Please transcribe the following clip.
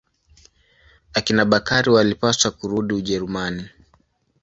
Akina Bakari walipaswa kurudi Ujerumani.